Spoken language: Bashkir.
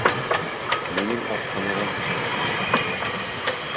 Минең ашханаға күсерәбеҙ.